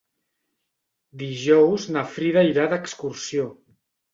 Dijous na Frida irà d'excursió.